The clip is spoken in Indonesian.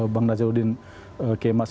bang najarudin kemas